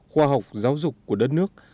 khoa học giáo dục của đất nước